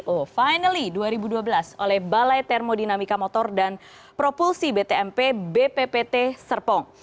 oh finally dua ribu dua belas oleh balai termodinamika motor dan propulsi btmp bppt serpong